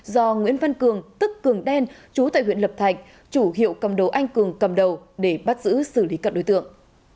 do nguyễn văn cường tức cường đen trú tại huyện lập thạch chủ hiệu cầm đồ anh cường cầm đầu để bắt giữ xử lý các đối tượng